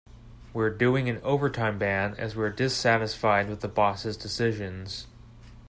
We are doing an overtime ban as we are dissatisfied with the boss' decisions.